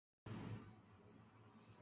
右面油箱漏出燃油即时着火。